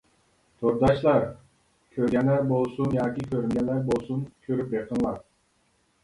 تورداشلار، كۆرگەنلەر بولسۇن ياكى كۆرمىگەنلەر بولسۇن كۆرۈپ بېقىڭلار.